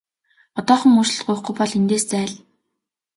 Одоохон уучлалт гуйхгүй бол эндээс зайл!